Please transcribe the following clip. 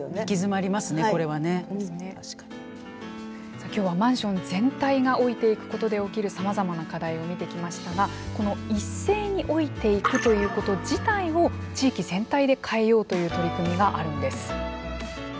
さあ今日はマンション全体が老いていくことで起きるさまざまな課題を見てきましたがこの一斉に老いていくということ自体を地域全体で変えようという取り組みがあるんです。